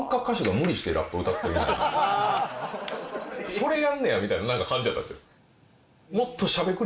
それやんねやみたいな感じやったんですよ。